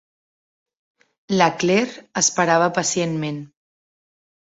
La Claire esperava pacientment.